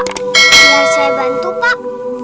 biar saya bantu pak